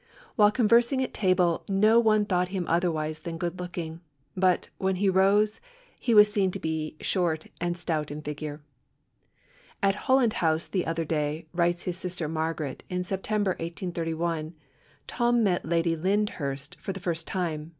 While conversing at table no one thought him otherwise than good looking; but, when he rose, he was seen to be short and stout in figure. 'At Holland House, the other day,' writes his sister Margaret in September 1831, 'Tom met Lady Lyndhurst for the first time.